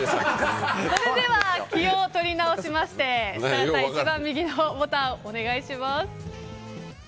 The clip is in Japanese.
それでは、気を取り直しまして一番右のボタンお願いします。